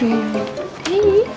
yuk yuk yuk